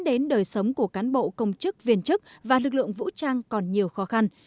đến đời sống của cán bộ công chức viên chức và lực lượng vũ trang còn nhiều khó khăn